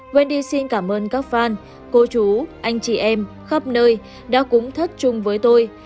wendy xin cảm ơn các fan cô chú anh chị em khắp nơi đã cúng thất chung với tôi